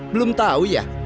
belum tahu ya